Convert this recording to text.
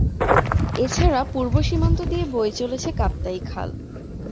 এছাড়া পূর্ব সীমান্ত দিয়ে বয়ে চলেছে কাপ্তাই খাল।